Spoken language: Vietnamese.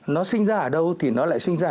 nó sinh ra ở đâu thì nó lại sinh ra